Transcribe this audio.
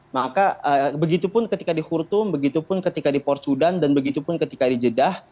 maka begitu pun ketika dihurtum begitu pun ketika di porcudan dan begitu pun ketika di jedah